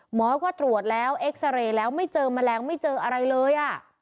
หมอก็ตรวจแล้วเอ็กซาเรย์แล้วไม่เจอแมลงไม่เจออะไรเลย